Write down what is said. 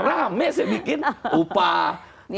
rame saya bikin upah